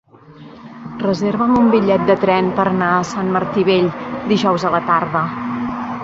Reserva'm un bitllet de tren per anar a Sant Martí Vell dijous a la tarda.